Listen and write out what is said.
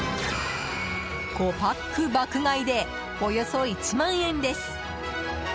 ５パック爆買いでおよそ１万円です。